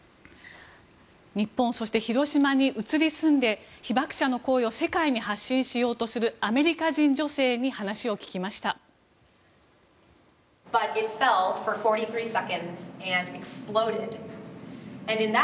日本そして広島に移り住んで被爆者の声を世界に発信しようとするアメリカ人女性に話を聞きました。